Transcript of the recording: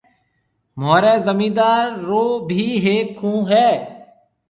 مهوريَ زميندار ڀِي هيڪ کُوه هيَ۔